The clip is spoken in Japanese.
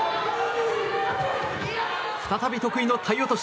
再び得意の体落とし。